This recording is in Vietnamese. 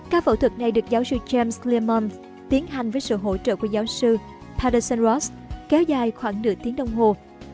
các phẫu thuật này được giáo sư james learmon tiến hành với sự hỗ trợ của giáo sư patterson ross kéo dài khoảng nửa tiếng đồng hồ